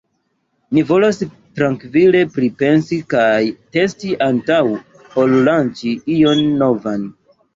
Ni volas trankvile pripensi kaj testi antaŭ ol lanĉi ion novan.